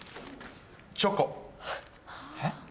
チョコ。えっ？